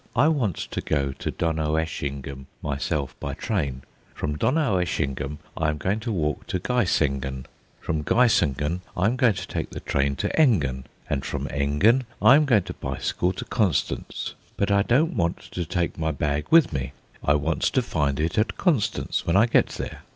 I want to go to Donaueschingen myself by train; from Donaueschingen I am going to walk to Geisengen; from Geisengen I am going to take the train to Engen, and from Engen I am going to bicycle to Constance. But I don't want to take my bag with me; I want to find it at Constance when I get there.